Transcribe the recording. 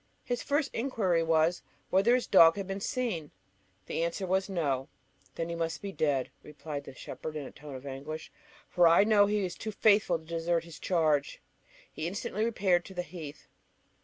His first inquiry was, whether his dog had been seen? The answer was, No. "Then he must be dead," replied the shepherd in a tone of anguish, "for I know he was too faithful to desert his charge." He instantly repaired to the heath.